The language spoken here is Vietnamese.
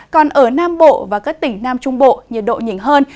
còn ở nam bộ và các tỉnh nam trung bộ nhiệt độ nhìn hơn